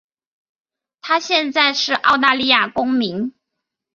她现在是澳大利亚公民。